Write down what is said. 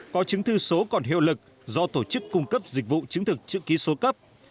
có chứng thư số còn hiệu lực do tổ chức cung cấp dịch vụ chứng thực chữ ký số cấp